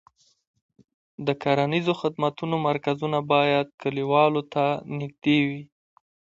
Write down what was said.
د کرنیزو خدمتونو مرکزونه باید کليوالو ته نږدې وي.